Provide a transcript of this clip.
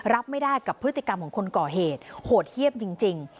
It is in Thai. รับไม่ได้กับพฤติกรรมของคนก่อเหตุโหดเยี่ยมจริง